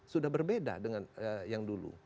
sudah berbeda dengan yang dulu